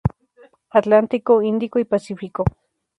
Atlántico, Índico y Pacífico.